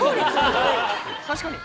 確かに！